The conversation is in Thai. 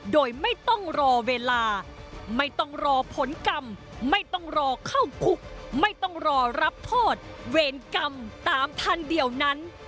โดยไม่ต้องรอเวลาไม่ต้องรอผลกรรมไม่ต้องรอเข้าคุกไม่ต้องรอรับโทษเวรกรรมตามทันเดียวนั้น